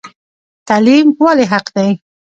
تعلیم ولې حق دی؟